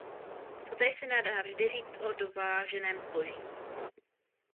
Totéž se nedá vždy říct o dováženém zboží.